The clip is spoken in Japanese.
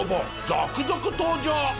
続々登場。